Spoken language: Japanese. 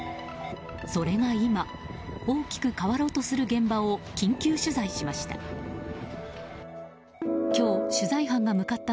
それが今、大きく変わろうとする現場を緊急取材しました。